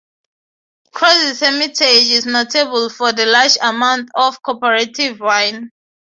Crozes-Hermitage is notable for the large amount of cooperative wine.